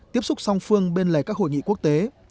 tiếp xúc song phương bên lề các hội nghị quốc tế